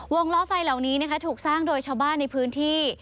ล้อไฟเหล่านี้นะคะถูกสร้างโดยชาวบ้านในพื้นที่